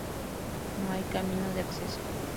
No hay camino de acceso.